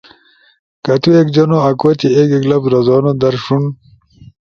کہ تو ایک جنو اکو تی ایک ایک لفظ رزونو در ݜون،